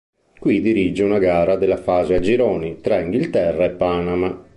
Qui dirige una gara della fase a gironi, tra Inghilterra e Panama.